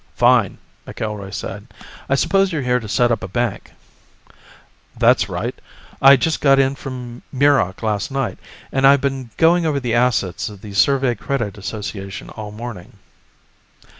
"Fine," McIlroy said, "I suppose you're here to set up a bank." "That's right, I just got in from Muroc last night, and I've been going over the assets of the Survey Credit Association all morning."